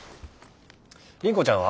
倫子ちゃんは？